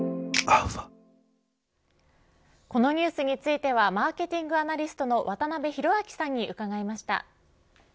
このニュースについてはマーケティングアナリストの渡辺広明さんに伺いました。